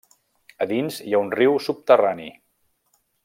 A dins hi ha un riu subterrani.